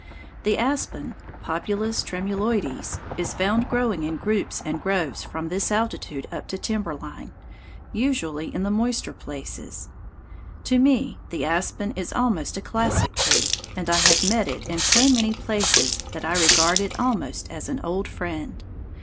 The aspen (Populus tremuloides) is found growing in groups and groves from this altitude up to timber line, usually in the moister places. To me the aspen is almost a classic tree, and I have met it in so many places that I regard it almost as an old friend.